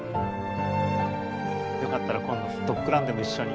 よかったら今度ドッグランでも一緒に。